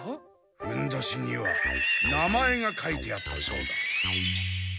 ふんどしには名前が書いてあったそうだ。